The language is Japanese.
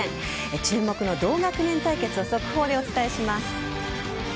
注目の同学年対決を速報でお伝えします。